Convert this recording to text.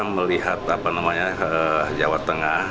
melihat apa namanya jawa tengah